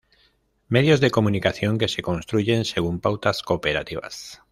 medios de comunicación que se construyen según pautas cooperativas: